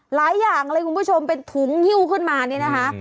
หลายอย่างเลยคุณผู้ชมเป็นถุงฮิ้วขึ้นมานี่นะคะ